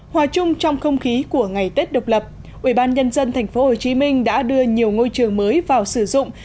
hòa chung trong không khí của ngày tết độc lập ubnd tp hcm đã đưa nhiều ngôi trường mới vào sử dụng